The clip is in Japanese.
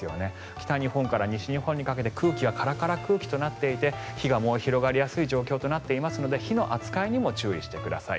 北日本から西日本にかけて空気がカラカラ空気となっていて火が燃え広がりやすい状況となっていますので火の扱いにも注意してください。